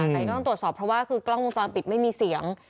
แต่ก็ต้องตรวจสอบเพราะว่าคือกล้องวงจรปิดไม่มีเสียง